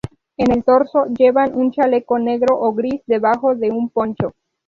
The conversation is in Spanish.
En el torso, llevan un chaleco negro o gris debajo de un poncho.